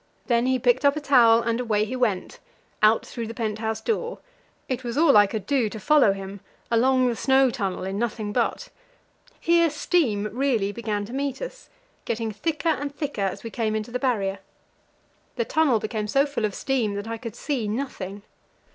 Then he picked up a towel, and away we went: out through the pent house door it was all I could do to follow him along the snow tunnel in nothing but Here steam really began to meet us, getting thicker and thicker as we came into the Barrier. The tunnel became so full of steam that I could see nothing.